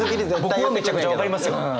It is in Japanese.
僕はめちゃくちゃ分かりますよ。